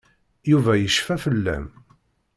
Yuba yecfa fell-am.